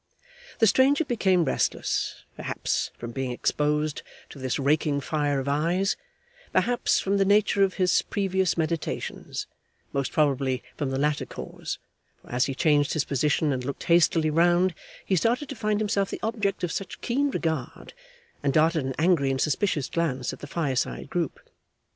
The stranger became restless; perhaps from being exposed to this raking fire of eyes, perhaps from the nature of his previous meditations most probably from the latter cause, for as he changed his position and looked hastily round, he started to find himself the object of such keen regard, and darted an angry and suspicious glance at the fireside group.